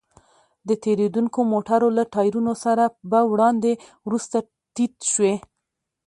د تېرېدونکو موټرو له ټايرونو سره به وړاندې وروسته تيت شوې.